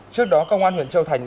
trước đó công an huyện châu thành